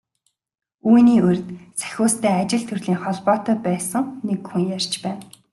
Үүний урьд Сахиустай ажил төрлийн холбоотой байсан нэг хүн ярьж байна.